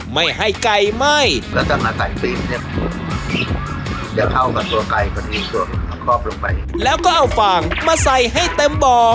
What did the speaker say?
ไม่ให้ไก่ไหม้แล้วก็เอาฝั่งมาใส่ให้เต็มบ่อ